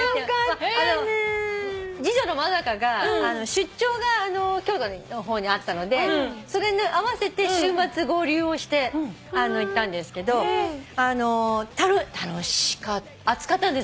次女の真香が出張が京都の方にあったのでそれに合わせて週末合流をして行ったんですけど楽しかっ暑かったんですけど。